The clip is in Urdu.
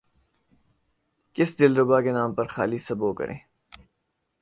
کس دل ربا کے نام پہ خالی سبو کریں